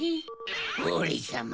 オレさま